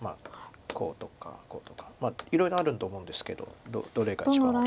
こうとかこうとかいろいろあると思うんですけどどれが一番得か。